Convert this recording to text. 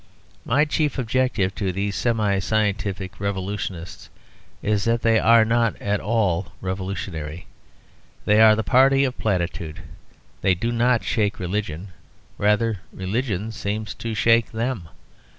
My chief objection to these semi scientific revolutionists is that they are not at all revolutionary. They are the party of platitude. They do not shake religion: rather religion seems to shake them.